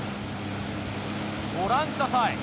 ご覧ください